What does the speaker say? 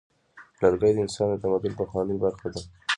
لرګی د انسان د تمدن پخوانۍ برخه ده.